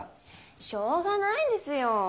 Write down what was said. しょうがないですよォ。